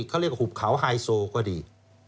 เขาเรียกหุบเขาไฮโซก็ดี